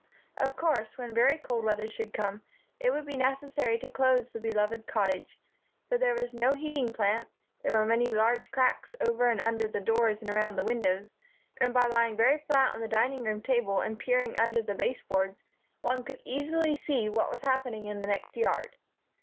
Of course, when very cold weather should come, it would be necessary to close the beloved Cottage, for there was no heating plant, there were many large cracks over and under the doors and around the windows; and by lying very flat on the dining room floor and peering under the baseboards, one could easily see what was happening in the next yard.